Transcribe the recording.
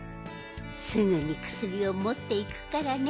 すぐにくすりをもっていくからね。